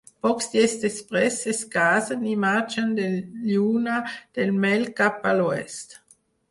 Pocs dies després es casen i marxen de lluna de mel cap a l’oest.